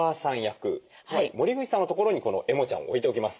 つまり森口さんのところにこのエモちゃんを置いておきます。